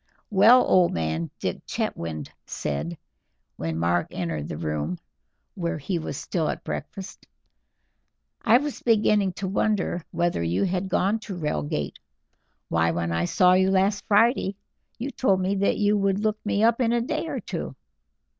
"Well, old man," Dick Chetwynd said, when Mark entered the room, where he was still at breakfast, "I was beginning to wonder whether you had gone to Reigate. Why, when I saw you last Friday you told me that you would look me up in a day or two."